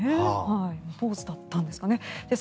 ポーズだったんですかね。